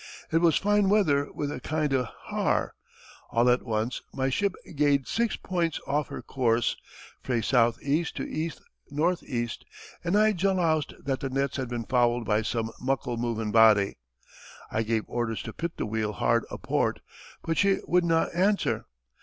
It was fine weather wi' a kind o' haar. All at once, my ship gaed six points aff her coorse, frae S. E. to E. N. E., and I jaloused that the nets had been fouled by some muckle movin' body. I gave orders to pit the wheel hard a port, but she wouldna answer.